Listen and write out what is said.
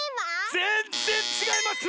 ぜんぜんちがいます！